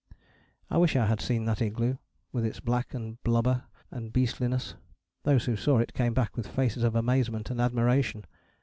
I wish I had seen that igloo: with its black and blubber and beastliness. Those who saw it came back with faces of amazement and admiration.